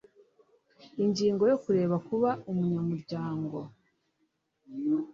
Ingingo ya Kureka kuba umunyamuryango